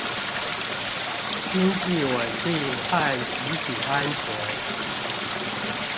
經濟穩定和集體安全